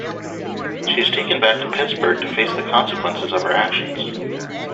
She is taken back to Pittsburgh to face the consequences of her actions.